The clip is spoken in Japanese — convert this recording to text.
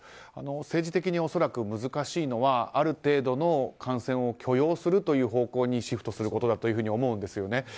政治的に恐らく難しいのはある程度の感染を許容するという方向にシフトするということだと思うんですよね。